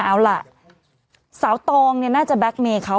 เอาล่ะสาวตองเนี่ยน่าจะแก๊กเมย์เขา